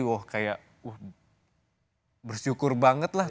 wah kayak wah bersyukur banget lah